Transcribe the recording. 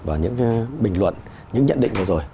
và những bình luận những nhận định vừa rồi